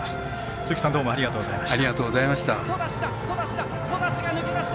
鈴木さんありがとうございました。